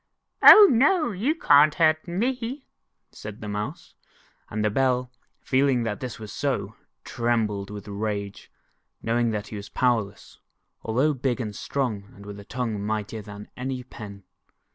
"Oh, no, you cant hurt me," said the Mouse, and the Bell, feeling that this was so, trembled with rage, knowing that he was powerless, although big and strong, and with a tongue mightier than any pen.